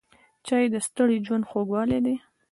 چای د ستړي ژوند خوږوالی دی.